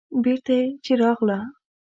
بېرته چې راغله.